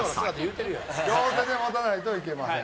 両手で持たないといけません。